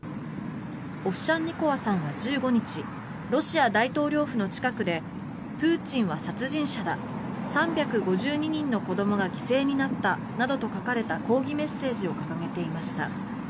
オフシャンニコワさんは１５日ロシア大統領府の近くでプーチンは殺人者だ３５２人の子どもが犠牲になったなどと書かれた抗議メッセージを掲げていました。